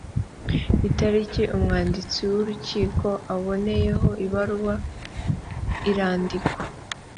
itariki umwanditsi w’urukiko aboneyeho ibaruwa irandikwa